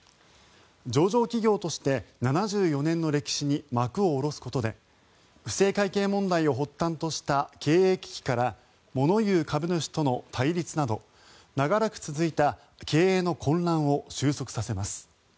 上場企業として７４年の歴史に幕を下ろすことで不正会計問題を発端とした経営危機から物言う株主との対立など長らく続いた経営の混乱を収束させます。